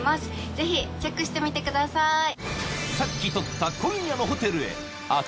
ぜひチェックしてみてください！結果は？